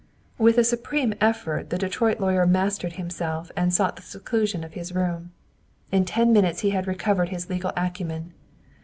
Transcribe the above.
With a supreme effort the Detroit lawyer mastered himself and sought the seclusion of his room. In ten minutes he had recovered his legal acumen.